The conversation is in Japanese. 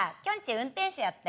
運転手やって。